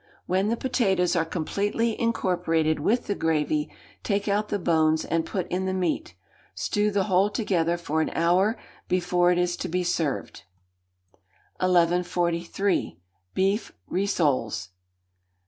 When the potatoes are completely incorporated with the gravy, take out the bones and put in the meat; stew the whole together for an hour before it is to be served. 1143. Beef Rissoles.